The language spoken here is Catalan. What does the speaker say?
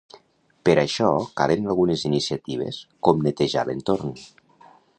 Per això, calen algunes iniciatives com netejar l'entorn.